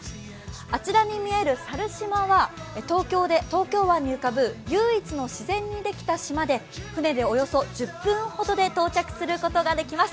あちらに見える猿島は、東京湾に浮かぶ唯一の自然にできた島で、船でおよそ１０分ほどで到着することができます。